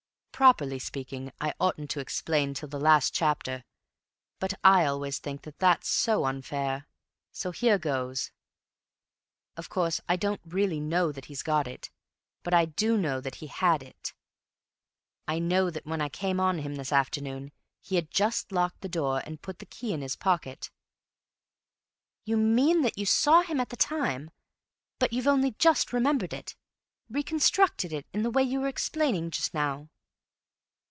Properly speaking, I oughtn't to explain till the last chapter, but I always think that that's so unfair. So here goes. Of course, I don't really know that he's got it, but I do know that he had it. I know that when I came on him this afternoon, he had just locked the door and put the key in his pocket." "You mean you saw him at the time, but that you've only just remembered it—reconstructed it—in the way you were explaining just now?"